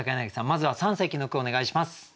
まずは三席の句をお願いします。